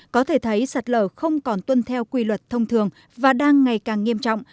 có thể thấy sạt lở không còn tuân theo quy luật thông thường và đang ngày càng nghiêm trọng